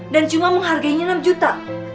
cuma menghargainya enam juta